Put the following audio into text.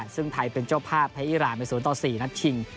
ซึ่งไทยเป็นเจ้าภาพไทยอีรานเป็น๐๔นัดชิง